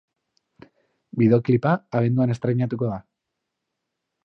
Bideoklipa abenduan estreinatuko da.